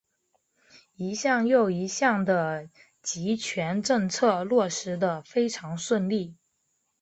一项又一项的极权政策落实得非常顺利。